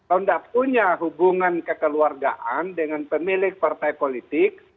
anda punya hubungan kekeluargaan dengan pemilik partai politik